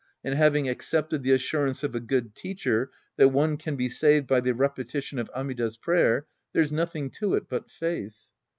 And having accepted the assurance of a good teacher that one can be saved by the repetition of Amida's prayer, there's nothing to it but faith.